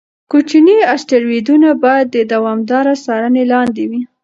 کوچني اسټروېډونه باید د دوامداره څارنې لاندې وي.